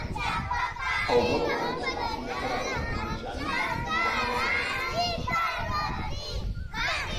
El deu d'agost na Queralt i na Jana aniran a la platja.